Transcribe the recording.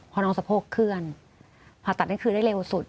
พอน้องสะโพกเคลื่อนผ่าตัดได้คืนได้เร็วสุด